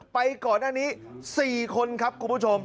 ไปก่อนหน้านี้๔คนครับคุณผู้ชม